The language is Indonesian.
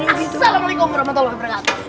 assalamualaikum warahmatullahi wabarakatuh